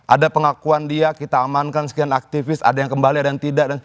ada pengakuan dia kita amankan sekian aktivis ada yang kembali ada yang tidak